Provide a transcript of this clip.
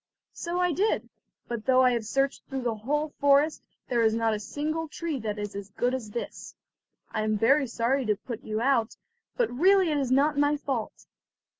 "So I did; but though I have searched through the whole forest, there is not a single tree that is as good as this. I am very sorry to put you out, but really it is not my fault.